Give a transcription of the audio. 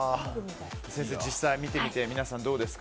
先生、実際に見てみて皆さんどうですか？